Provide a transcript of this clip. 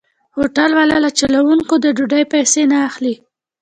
هوټل والا له چلوونکو د ډوډۍ پيسې نه اخلي.